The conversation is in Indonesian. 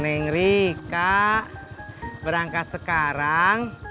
neng rika berangkat sekarang